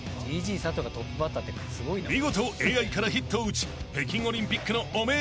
［見事ＡＩからヒットを打ち北京オリンピックの汚名